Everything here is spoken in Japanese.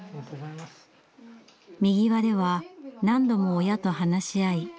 みぎわでは何度も親と話し合い